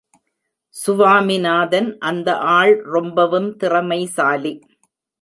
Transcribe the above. சுவாமிநாதன் அந்த ஆள் ரொம்பவும் திறமைசாலி!